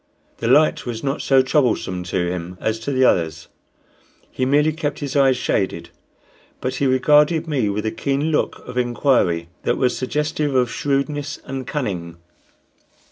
The light was not so troublesome to him as to the others he merely kept his eyes shaded; but he regarded me with a keen look of inquiry that was suggestive of shrewdness and cunning.